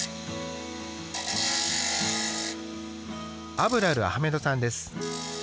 アブラル・アハメドさんです。